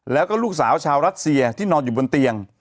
แล้วก็ลูกสาวชาวรัสเซียที่นอนอยู่บนเตียง